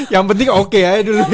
yang penting oke aja dulu